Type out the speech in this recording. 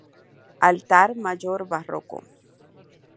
Altar mayor barroco.